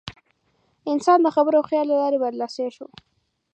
انسان د خبرو او خیال له لارې برلاسی شو.